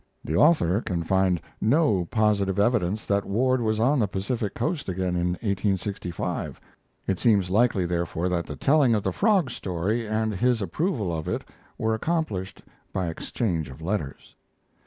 The author can find no positive evidence that Ward was on the Pacific coast again in 1865. It seems likely, therefore, that the telling of the frog story and his approval of it were accomplished by exchange of letters.